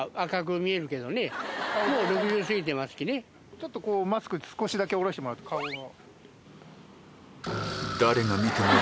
続いて港でマスク少しだけ下ろしてもらうと顔が。